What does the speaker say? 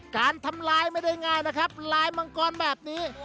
การทำลายไม่ได้ง่ายนะครับลายมังกรแบบนี้